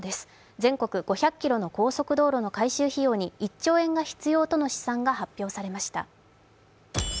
全国５００ｋｍの高速道路の改修費用に１兆円が必要との試算が発表されました。